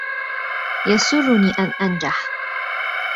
يَسُرُّنِي أَنْ أَنْجَحَ.